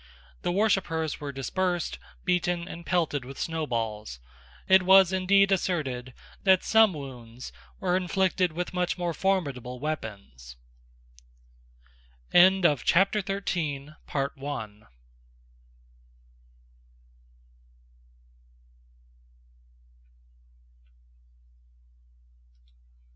The worshippers were dispersed, beaten, and pelted with snowballs. It was indeed asserted that some wounds were inflicted with much more formidable weapons, Edinburgh, the seat of governme